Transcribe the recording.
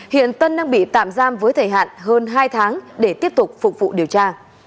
hiện tân đang bị tạm giam với thời hạn hơn hai tháng để tiếp tục phục vụ điều tra